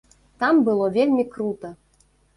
Там было вельмі крута!